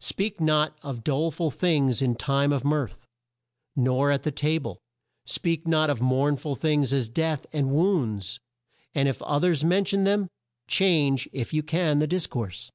"Speak not of dole ful things in time of mirth, nor at the ta ble; speak not of mourn ful things, as death, and wounds, and if o thers men tion them, change, if you can, the dis course.